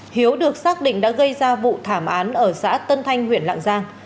hiếu được xác định đã gây ra vụ thảm án ở xã tân thanh huyện lạng giang